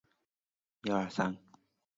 翁堡比当日人口变化图示